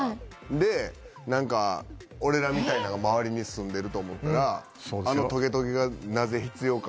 でなんか俺らみたいなのが周りに住んでると思ったらあのトゲトゲがなぜ必要か。